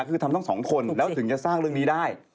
คือทำทั้งสองคนแล้วถึงจะสร้างเรื่องนี้ได้